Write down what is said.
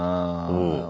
うん。